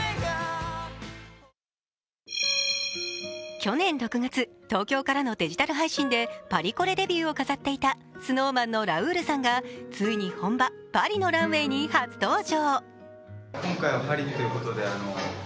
去年６月、東京からのデジタル配信でパリコレデビューを飾っていたＳｎｏｗＭａｎのラウールさんがついに本場、パリのランウェイに初登場。